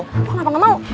kok kenapa gak mau